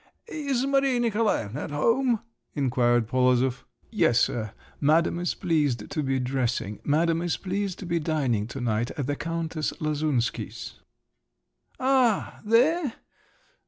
"Is Maria Nikolaevna at home?" inquired Polozov. "Yes, sir. Madam is pleased to be dressing. Madam is pleased to be dining to night at the Countess Lasunsky's." "Ah! there?